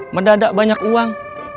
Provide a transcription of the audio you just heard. medanak banyak uang